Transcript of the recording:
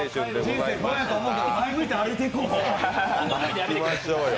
人生不安やと思うけど、前向いて歩いていこ。